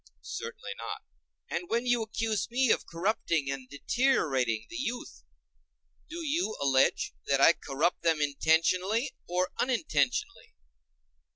Certainly not. And when you accuse me of corrupting and deteriorating the youth, do you allege that I corrupt them intentionally or unintentionally?